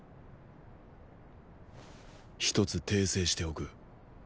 一つ訂正しておく。